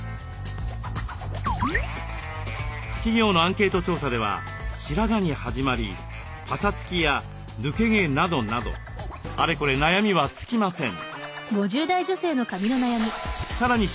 企業のアンケート調査では「白髪」に始まり「パサつき」や「抜け毛」などなどあれこれ悩みは尽きません。